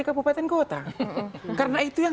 kabupaten kota karena itu yang